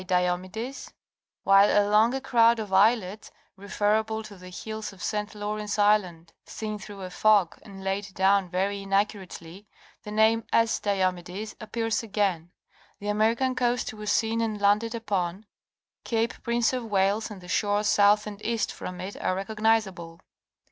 Diomedis;" while among a crowd of islets (referable to the hills of St. Lawrence Island seen through a fog and laid down very inaccurately), the name "8S. Diomedis" appears again. The American coast was seen and landed upon; Cape Prince of Wales and the shore south and east from it are recognizable.